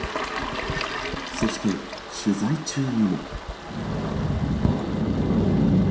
そして、取材中にも。